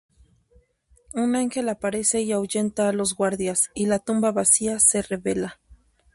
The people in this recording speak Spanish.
Un ángel aparece y ahuyenta a los guardias, y la tumba vacía se revela.